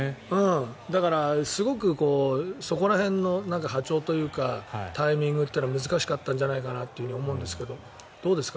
だから、すごくそこら辺の波長というかタイミングというのは難しかったんじゃないかと思うんですけどどうですか？